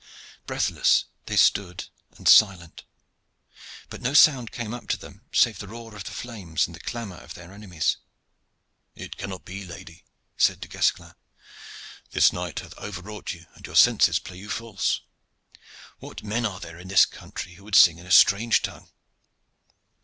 Breathless they stood and silent, but no sound came up to them, save the roar of the flames and the clamor of their enemies. "It cannot be, lady," said Du Guesclin. "This night hath over wrought you, and your senses play you false. What men are there in this country who would sing in a strange tongue?"